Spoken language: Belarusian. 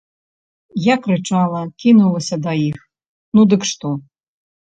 Я крычала, кінулася да іх, ну дык што?